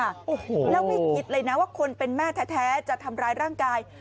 โอ้โหแล้วไม่คิดเลยนะว่าคนเป็นแม่แท้จะทำร้ายร่างกาย